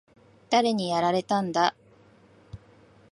誰にやられたんだ？